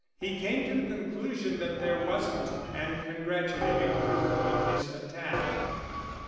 He came to the conclusion that there wasn't, and congratulated Crewe on his attack.